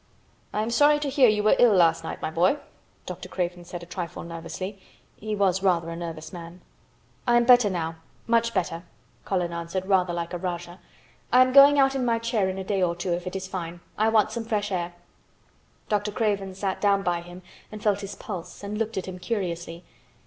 "I am sorry to hear you were ill last night, my boy," Dr. Craven said a trifle nervously. He was rather a nervous man. "I'm better now—much better," Colin answered, rather like a Rajah. "I'm going out in my chair in a day or two if it is fine. I want some fresh air." Dr. Craven sat down by him and felt his pulse and looked at him curiously.